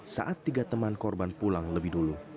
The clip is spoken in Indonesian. saat tiga teman korban pulang lebih dulu